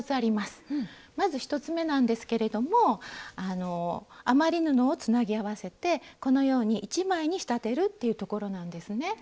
まず１つめなんですけれども余り布をつなぎ合わせてこのように１枚に仕立てるっていうところなんですね。